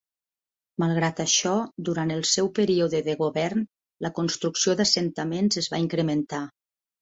Malgrat això, durant el seu període de govern la construcció d'assentaments es van incrementar.